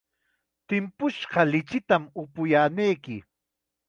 Timpushqa lichitam upuyaanayki.